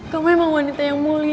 kau memang wanita yang mulia